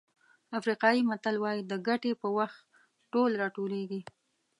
افریقایي متل وایي د ګټې په وخت ټول راټولېږي.